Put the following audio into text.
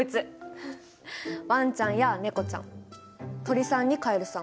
ワンちゃんやネコちゃん鳥さんにカエルさん。